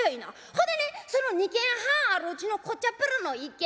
「ほんでねその２間半あるうちのこっちはぺらの１間。